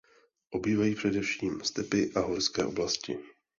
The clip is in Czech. Obývají především stepi a horské oblasti.